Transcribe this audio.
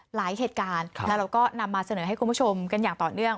หลายเหตุการณ์แล้วเราก็นำมาเสนอให้คุณผู้ชมกันอย่างต่อเนื่อง